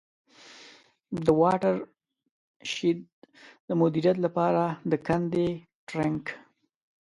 د واټر شید د مدیریت له پاره د کندي Trench.